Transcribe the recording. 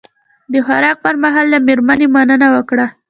د خوراک پر مهال له میرمنې مننه وکړه.